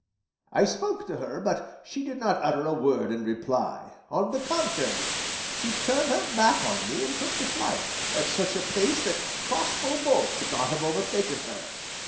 I spoke to her, but she did not utter a word in reply; on the contrary, she turned her back on me and took to flight, at such a pace that crossbow bolt could not have overtaken her.